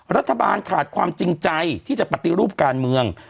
รัฐบาลขาดความจริงใจที่จะปฏิรูปการเมือง